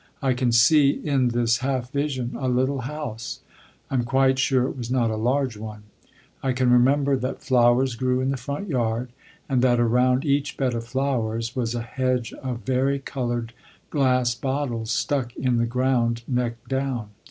I can see in this half vision a little house I am quite sure it was not a large one I can remember that flowers grew in the front yard, and that around each bed of flowers was a hedge of vari colored glass bottles stuck in the ground neck down.